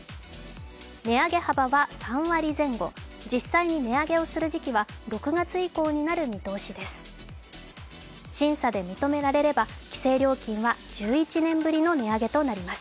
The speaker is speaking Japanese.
値上げ幅は３割前後、実際に値上げをする時期は６月以降になる見通しです。